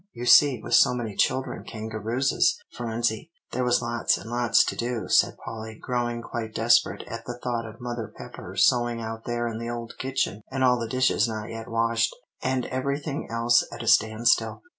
You see, with so many children kangarooses, Phronsie, there was lots and lots to do," said Polly, growing quite desperate at the thought of Mother Pepper sewing out there in the old kitchen, and all the dishes not yet washed, and everything else at a standstill.